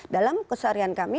dalam kesaharian kami